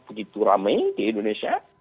begitu rame di indonesia